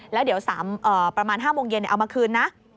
แล้วเดี๋ยวประมาณ๕โมงเย็นเอามาคืนนะ